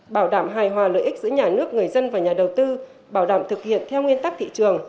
bảo đảm hài hòa lợi ích giữa nhà nước người dân và nhà đầu tư bảo đảm thực hiện theo nguyên tắc thị trường